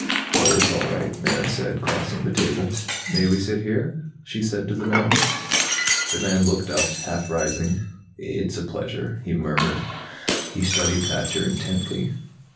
"Oh, it's all right," Mara said, crossing to the table. "May we sit here?" she said to the man. The man looked up, half rising. "It's a pleasure," he murmured. He studied Thacher intently.